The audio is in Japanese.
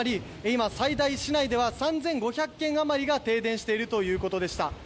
今、市内では最大３５００軒余りが停電しているということでした。